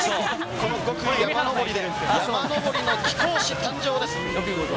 この５区山上りで、山登りの貴公子誕生です。